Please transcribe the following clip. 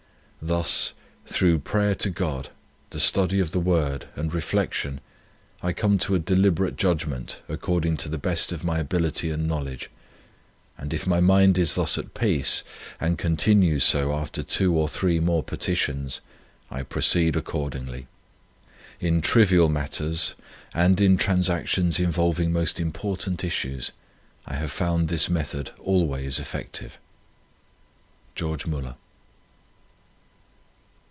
Thus, through prayer to God, the study of the Word, and reflection, I come to a deliberate judgment according to the best of my ability and knowledge, and if my mind is thus at peace, and continues so after two or three more petitions, I proceed accordingly. In trivial matters, and in transactions involving most important issues, I have found this method always effective. GEORGE MÜLLER.